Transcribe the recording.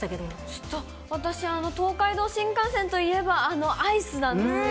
ちょっと、私、東海道新幹線といえば、あのアイスなんですよ。